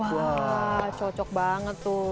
wah cocok banget tuh